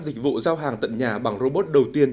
dịch vụ giao hàng tận nhà bằng robot đầu tiên